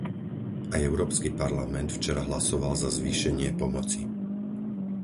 Aj Európsky parlament včera hlasoval za zvýšenie pomoci.